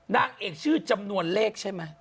นางเอกชื่อจำนวนเลข